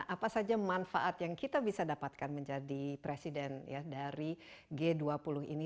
apa saja manfaat yang kita bisa dapatkan menjadi presiden dari g dua puluh ini